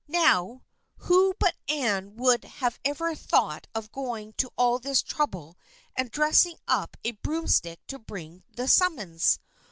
Now who but Anne would ever have thought of going to all this trouble and dressing up a broomstick to bring the summons?